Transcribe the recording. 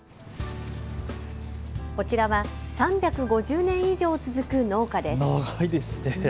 こちらは３５０年以上続く農家です。